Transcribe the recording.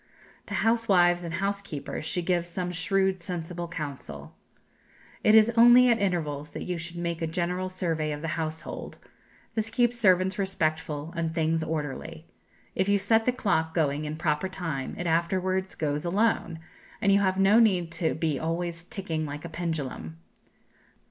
To housewives and housekeepers she gives some shrewd, sensible counsel: "It is only at intervals that you should make a general survey of the household; this keeps servants respectful, and things orderly. If you set the clock going in proper time, it afterwards goes alone, and you have no need to be always ticking like a pendulum.